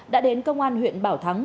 đã đến công an huyện bảo thắng